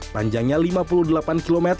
panjangnya lima puluh delapan km